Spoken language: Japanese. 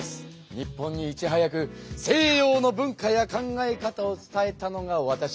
日本にいちはやく西洋の文化や考え方を伝えたのがわたし。